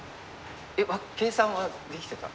計算はできてた？